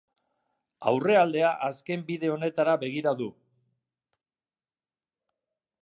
Aurrealdea azken bide honetara begira du.